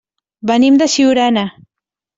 Venim de Siurana.